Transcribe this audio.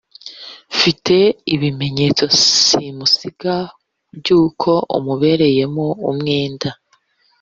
mfite ibimenyetso simusiga by’uko umubereyemo umwenda